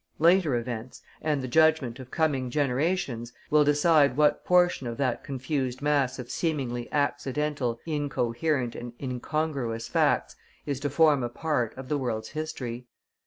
Later events, and the judgment of coming generations, will decide what portion of that confused mass of seemingly accidental, incoherent, and incongruous facts is to form a part of the world's history.